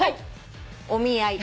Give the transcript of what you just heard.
お見合い。